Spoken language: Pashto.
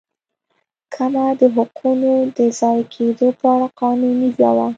کمه د حقونو د ضایع کېدو په اړه قانوني دعوه.